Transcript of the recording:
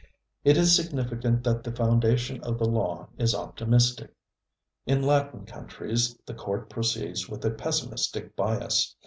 It is significant that the foundation of that law is optimistic. In Latin countries the court proceeds with a pessimistic bias.